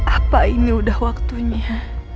apa ini udah waktunya